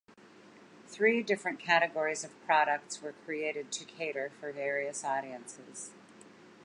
Three different categories of products were created to cater for various audiences.